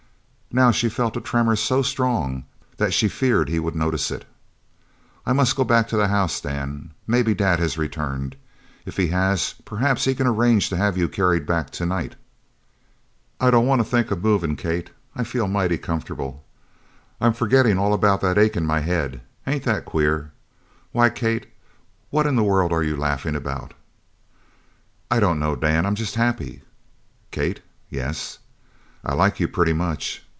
Now she felt a tremor so strong that she feared he would notice it. "I must go back to the house, Dan. Maybe Dad has returned. If he has, perhaps he can arrange to have you carried back tonight." "I don't want to think of movin', Kate. I feel mighty comfortable. I'm forgettin' all about that ache in my head. Ain't that queer? Why, Kate, what in the world are you laughin' about?" "I don't know, Dan. I'm just happy!" "Kate." "Yes?" "I like you pretty much."